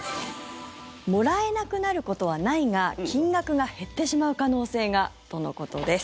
もらえなくなることはないが金額が減ってしまう可能性がとのことです。